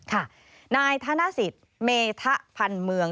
ค่ะนายธนสิตเมธพันธ์เมือง